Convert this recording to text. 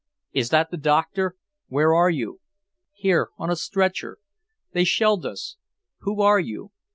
"Is that the Doctor? Where are you?" "Here, on a stretcher. They shelled us. Who are you?